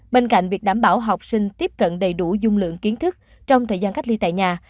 bên cạnh việc đảm bảo học sinh tiếp cận đầy đủ dung lượng kiến thức trong thời gian cách ly tại nhà